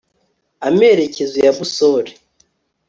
amerekezo ya busole